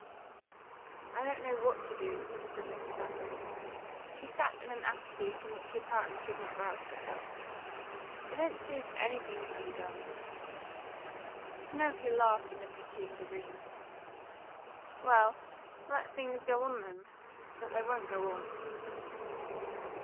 "I don't know what to do," said Mrs. Lapham. She sat in an apathy from which she apparently could not rouse herself. "I don't see as anything can be done." Penelope laughed in a pitying derision. "Well, let things go on then. But they won't go on."